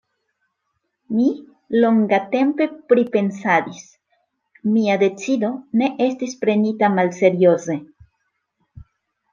Mi longatempe pripensadis: mia decido ne estis prenita malserioze.